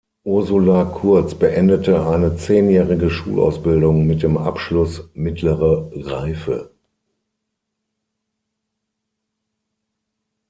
Ursula Kurz beendete eine zehnjährige Schulausbildung mit dem Abschluss „Mittlere Reife“.